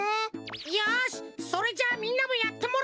よしそれじゃあみんなもやってもらおうぜ！